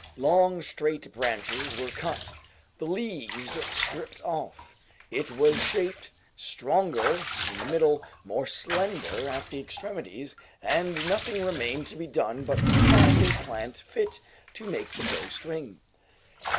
Long straight branches were cut, the leaves stripped off; it was shaped, stronger in the middle, more slender at the extremities, and nothing remained to be done but to find a plant fit to make the bow string.